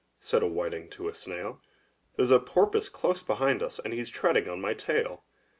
said a whiting to a snail, "There's a porpoise close behind us, and he's treading on my tail!